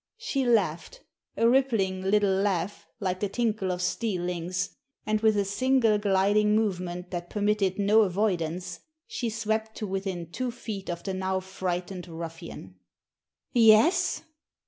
She laughed, a rippling little laugh like the tinkle of steel links, and with a single gliding movement that permitted no avoidance she swept to within two feet of the now frightened ruffian. "Yes?